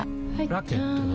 ラケットは？